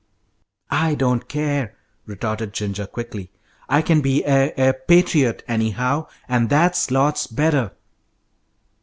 "I don't care," retorted Ginger, quickly. "I can be a a patriot, anyhow, and that's lots better."